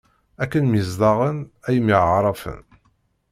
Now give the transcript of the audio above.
Akken myezdaɣen, ay myaɛṛafen.